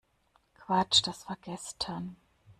Quatsch, das war gestern!